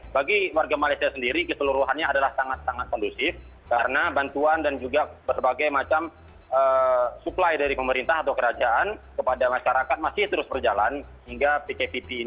bagi warga malaysia sendiri keseluruhannya adalah sangat sangat kondusif karena bantuan dan juga berbagai macam suplai dari pemerintah atau kerajaan kepada masyarakat masih terus berjalan hingga pkp ini usai pada akhir desember dua ribu dua puluh